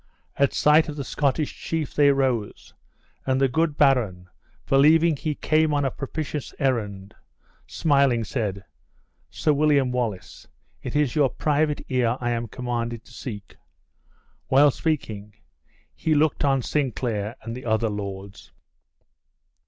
At sight of the Scottish chief they rose; and the good baron, believing he came on a propitious errand, smiling, said, "Sir William Wallace, it is your private ear I am commanded to seek." While speaking, he looked on Sinclair and the other lords.